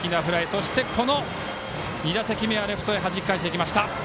そして、この２打席目はレフトにはじき返していきました。